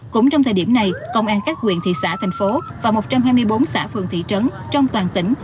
cũng trong thời điểm này công an các huyện thị xã thành phố và một trăm hai mươi bốn xã phường thị trấn trong toàn tỉnh